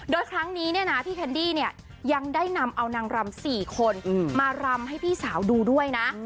โดยครั้งนี้เนี่ยนะพี่แคนดี้เนี่ยยังได้นำเอานางรำ๔คนมารำให้พี่สาวดูด้วยนะ